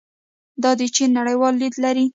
دا د چین نړیوال لید دی.